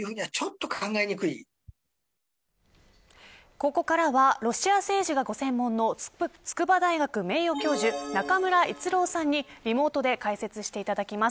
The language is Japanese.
ここからはロシア政治がご専門の筑波大学名誉教授中村逸郎さんにリモートで解説をしていただきます。